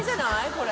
これ。